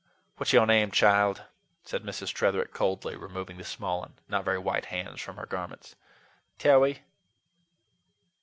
"What's your name, child?" said Mrs. Tretherick coldly, removing the small and not very white hands from her garments. "Tarry."